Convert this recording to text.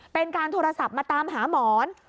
เป็นการโทรศัพท์มาตามหาหมอน